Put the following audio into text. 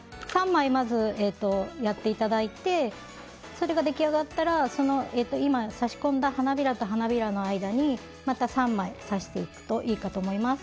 ３枚、まずやっていただいてそれが出来上がったら今差し込んだ花びらと花びらの間にまた３枚、刺していくといいかと思います。